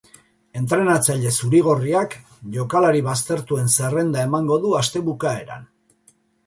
Entrenatzaile zuri-gorriak jokalari baztertuen zerrenda emango du aste bukaeran.